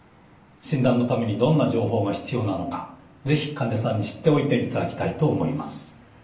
診断のためにどんな情報が必要なのか是非患者さんに知っておいていただきたいと思います。